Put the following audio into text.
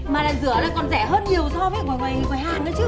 mà lần rửa là còn rẻ hơn nhiều so với ngoài hàng đó chứ